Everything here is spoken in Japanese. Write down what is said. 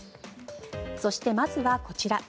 そして、まずはこちら。